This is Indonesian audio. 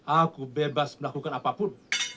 aku bebas melakukan apapun